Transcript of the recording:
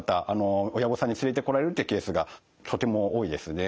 親御さんに連れてこられるっていうケースがとても多いですね。